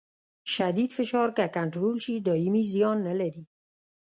شدید فشار که کنټرول شي دایمي زیان نه لري.